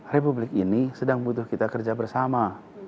republik ini sedang butuh kita kerja bersama